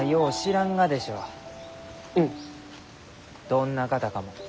どんな方かも。